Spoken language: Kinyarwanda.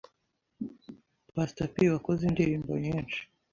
Pastor P wakoze indirimbo nyinshi